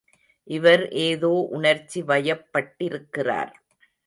இவர் ஏதோ உணர்ச்சி வயப்பட்டிருக்கிறார்.